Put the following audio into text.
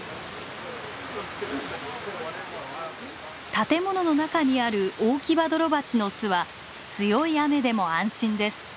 建物の中にあるオオキバドロバチの巣は強い雨でも安心です。